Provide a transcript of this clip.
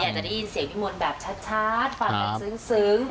จะได้ยินเสียงพี่มนต์แบบชัดฟังแบบซึ้ง